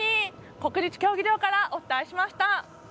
国立競技場からお伝えしました。